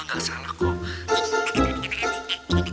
enggak salah kok